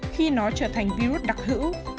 khi nó trở thành virus đặc hữu